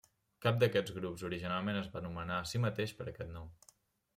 Cap d'aquests grups originalment es va anomenar a si mateix per aquest nom.